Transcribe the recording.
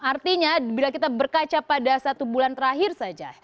artinya bila kita berkaca pada satu bulan terakhir saja